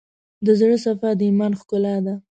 د زړه صفا، د ایمان ښکلا ده.